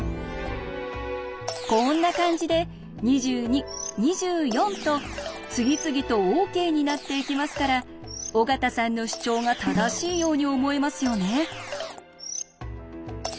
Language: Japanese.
こんな感じで２２２４と次々とＯＫになっていきますから尾形さんの主張が正しいように思えますよね。